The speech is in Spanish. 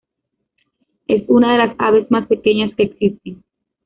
Es una de las aves más pequeñas que existen.